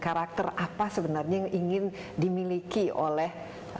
karakter apa sebenarnya yang ingin dimiliki oleh